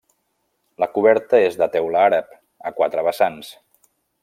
La coberta és de teula àrab a quatre vessants.